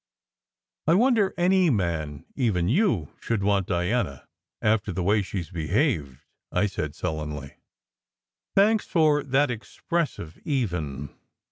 "I wonder any man, even you, should want Diana after the way she s behaved," I said sullenly. "Thanks for that expressive even.